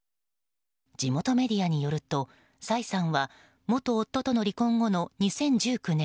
地元メディアによるとサイさんは元夫との離婚後の２０１９年